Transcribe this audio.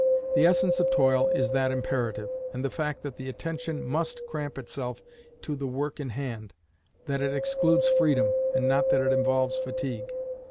The essence of toil is that imperative, and the fact that the attention must cramp itself to the work in hand that it excludes freedom, and not that it involves fatigue.